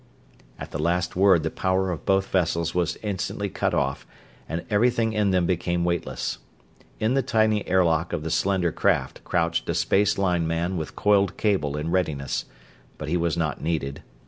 At the last word the power of both vessels was instantly cut off and everything in them became weightless. In the tiny airlock of the slender craft crouched a space line man with coiled cable in readiness, but he was not needed.